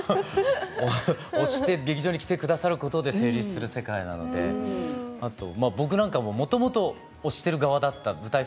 推して劇場に来てくださることで成立する世界なのであと僕なんかもともと推している側だったんです。